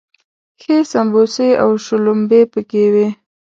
ښې سمبوسې او شلومبې پکې وي.